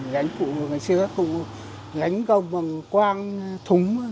anh cụ ngày xưa cũng gánh công bằng quang thúng